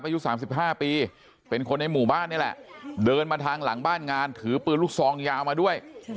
อายุ๓๕ปีเป็นคนในหมู่บ้านนี่แหละเดินมาทางหลังบ้านงานถือปืนลูกซองยาวมาด้วย